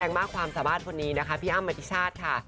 แปลงมากความสามารถคนนี้พี่อ้ำมาทิชาติค่ะ